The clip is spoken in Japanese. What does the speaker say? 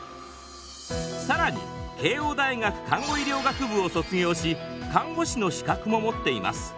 更に慶應大学看護医療学部を卒業し看護師の資格も持っています。